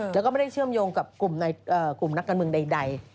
แล้วก็ไม่ได้เชื่อมโยงกับกลุ่มนักการเมืองใด